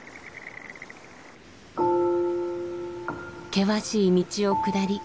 険しい道を下り